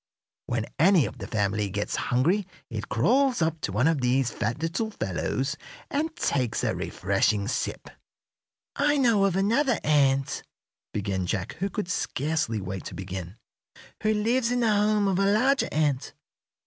When any of the family gets hungry it crawls up to one of these fat little fellows and takes a refreshing sip." "I know of another ant," began Jack, who could scarcely wait to begin, "who lives in the home of a larger ant.